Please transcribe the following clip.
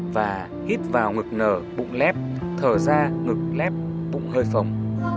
và hít vào ngực nở bụng lép thở ra ngực lép bụng hơi phồng